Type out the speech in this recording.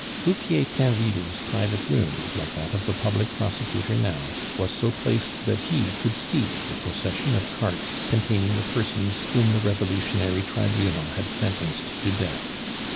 Fouquier Tinville's private room, like that of the public prosecutor now, was so placed that he could see the procession of carts containing the persons whom the Revolutionary tribunal had sentenced to death.